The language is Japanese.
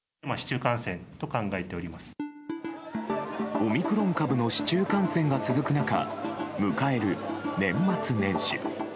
オミクロン株の市中感染が続く中迎える、年末年始。